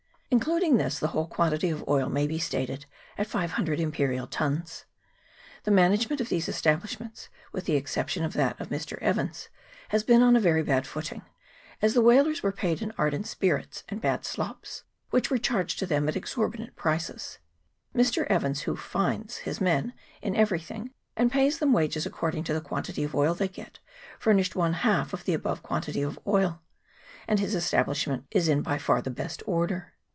Including this, the whole quantity of oil may be stated at 500 imperial tuns. The management of these establishments, with the exception of that of Mr. Evans, has been on a very bad footing, as the whalers were paid in ardent spirits and bad slops, which were charged to them at exorbitant prices. Mr. Evans, who finds his men in everything, and pays them wages according to the quantity of oil they get, furnished one half of the above quantity of oil, and his establishment is in by far the best order.